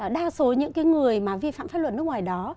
đa số những người vi phạm pháp luật nước ngoài đó